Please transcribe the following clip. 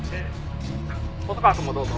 「細川くんもどうぞ」